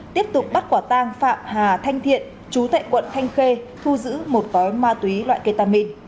tiếp tục bắt quả tang phạm hà thanh thiện chú tại quận thanh khê thu giữ một gói ma túy loại ketamin